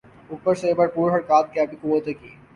اوپر سے بھرپور حرکات غیبی قوتوں کی۔